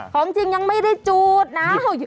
ของจริงยังไม่ได้จูดนะ